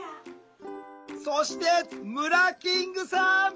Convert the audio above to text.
そしてムラキングさん！